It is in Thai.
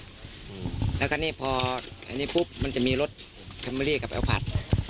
หมดเลยแล้วคันนี้พออันนี้ปุ๊บมันจะมีรถคันเมอรี่กับเอลพัด